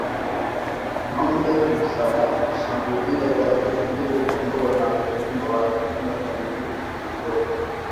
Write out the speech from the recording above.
Ngombe hushambuliwa zaidi kuliko kondoo na ugonjwa wa vidonda vya miguu na midomo